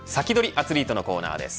アツリートのコーナーです。